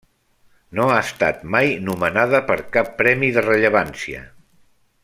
No ha estat mai nomenada per cap premi de rellevància.